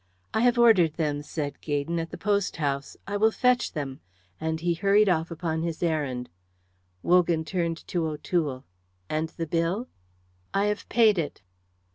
"I have ordered them," said Gaydon, "at the post house. I will fetch them;" and he hurried off upon his errand. Wogan turned to O'Toole. "And the bill?" "I have paid it."